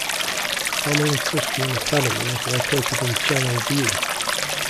Family Christian Academy is located in Channelview.